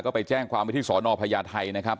ก็ไปแจ้งความไว้ที่สอนอพญาไทยนะครับ